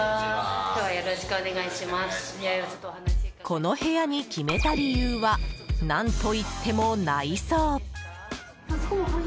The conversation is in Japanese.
この部屋に決めた理由は何といっても内装。